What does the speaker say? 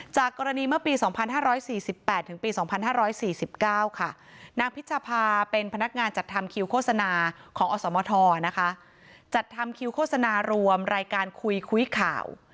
จากกรณีเมื่อปี๒๕๔๘ถึงปี๒๕๔๙ค่ะนางพิชภาเป็นพนักงานจัดทำคิวโฆษณาของอสมทจัดทำคิวโฆษณารวมรายการคุยคุยข่าว